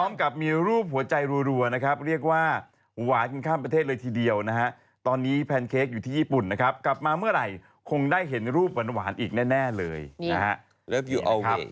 กับมีรูปหัวใจรัวนะครับเรียกว่าหวานกันข้ามประเทศเลยทีเดียวนะฮะตอนนี้แพนเค้กอยู่ที่ญี่ปุ่นนะครับกลับมาเมื่อไหร่คงได้เห็นรูปหวานอีกแน่เลยนะฮะ